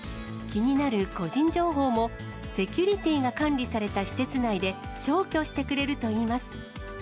気になる個人情報も、セキュリティーが管理された施設内で、消去してくれるといいます。